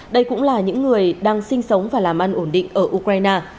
đây cũng là những người đang sinh sống và làm ăn ổn định ở ukraine